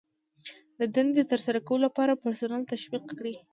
د دندې د ترسره کولو لپاره پرسونل تشویق کړئ.